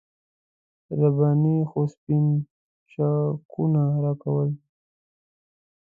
رباني خو سپین چکونه راکول.